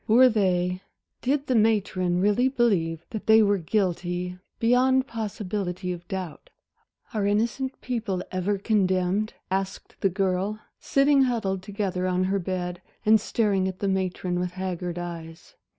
Were they did the matron really believe that they were guilty, beyond possibility of doubt? "Are innocent people ever condemned," asked the girl, sitting huddled together on her bed and staring at the matron with haggard eyes.